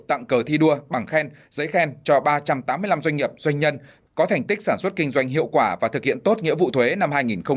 tặng cờ thi đua bằng khen giấy khen cho ba trăm tám mươi năm doanh nghiệp doanh nhân có thành tích sản xuất kinh doanh hiệu quả và thực hiện tốt nghĩa vụ thuế năm hai nghìn một mươi chín